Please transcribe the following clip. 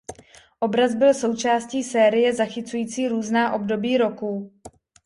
Obraz byl součástí série zachycující různá období roku.